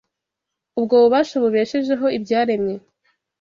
Ubwo bubasha bubeshejeho ibyaremwe